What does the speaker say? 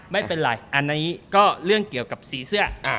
ไม่เป็นไรอันนี้ก็เรื่องเกี่ยวกับสีเสื้อ